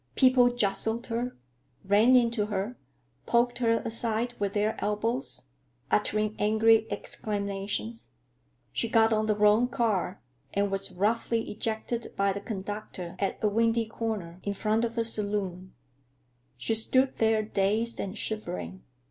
People jostled her, ran into her, poked her aside with their elbows, uttering angry exclamations. She got on the wrong car and was roughly ejected by the conductor at a windy corner, in front of a saloon. She stood there dazed and shivering.